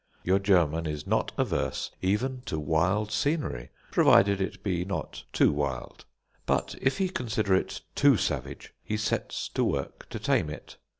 Your German is not averse even to wild scenery, provided it be not too wild. But if he consider it too savage, he sets to work to tame it.